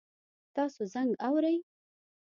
تاسو زنګ اورئ؟